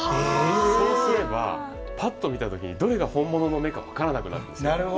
そうすればパッと見た時にどれが本物の目か分からなくなるんですね。